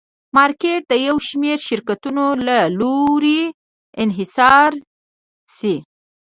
مارکېټ د یو شمېر شرکتونو له لوري انحصار شي.